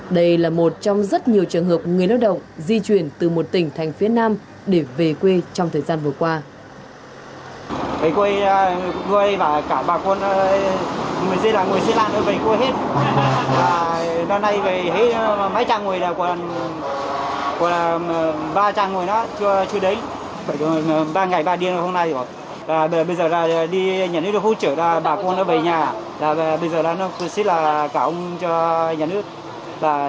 đây là một trong rất nhiều trường hợp người nỗ động di chuyển từ một tỉnh thành phía nam để về quê trong thời gian vừa qua